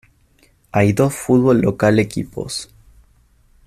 Hay dos fútbol local equipos.